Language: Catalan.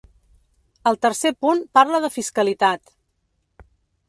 El tercer punt parla de fiscalitat.